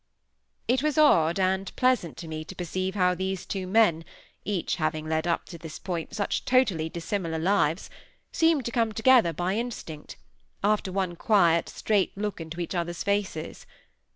It was odd and yet pleasant to me to perceive how these two men, each having led up to this point such totally dissimilar lives, seemed to come together by instinct, after one quiet straight look into each other's faces.